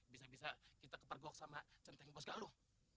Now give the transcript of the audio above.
bisa bisa kita kepergok sama centeng pos galuh